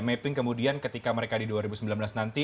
mapping kemudian ketika mereka di dua ribu sembilan belas nanti